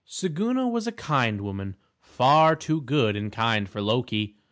Siguna was a kind woman, far too good and kind for Loki.